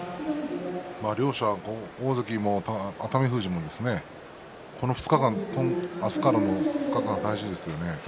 両者、大関も熱海富士もこの２日間明日からの２日間が大事ですね。